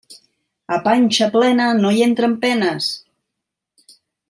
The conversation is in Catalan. A panxa plena no hi entren penes.